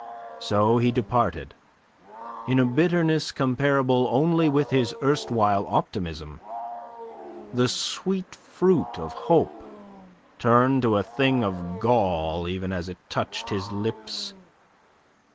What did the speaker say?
So he departed, in a bitterness comparable only with his erstwhile optimism, the sweet fruit of hope turned to a thing of gall even as it touched his lips.